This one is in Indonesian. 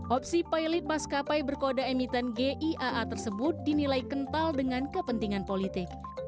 opsi pilot maskapai berkode emiten giaa tersebut dinilai kental dengan kepentingan politik